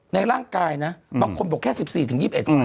ในร่างกายนะต้องคงบอกแค่๑๔ถึง๒๑